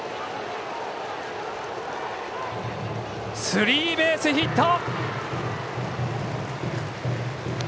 スリーベースヒット！